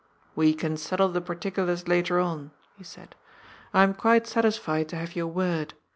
" We can settle the particulars later on," he said, " I am quite satisfied to have your word.